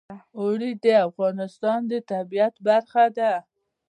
اوړي د افغانستان د طبیعت برخه ده.